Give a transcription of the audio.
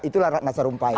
itulah rana sarumpait